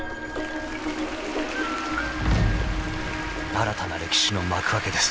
［新たな歴史の幕開けです］